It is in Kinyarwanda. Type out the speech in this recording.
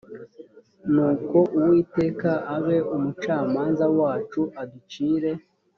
nuko uwiteka abe umucamanza wacu aducire